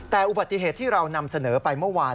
แต่อุบัติเหตุที่เรานำเสนอไปเมื่อวาน